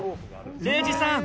礼二さん